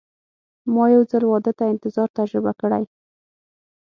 ما یو ځل واده ته انتظار تجربه کړی.